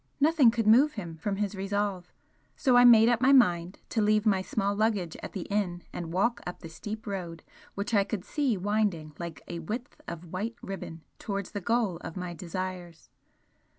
Nothing could move him from his resolve, so I made up my mind to leave my small luggage at the inn and walk up the steep road which I could see winding like a width of white ribbon towards the goal of my desires.